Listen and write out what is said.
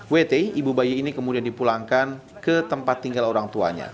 wt ibu bayi ini kemudian dipulangkan ke tempat tinggal orang tuanya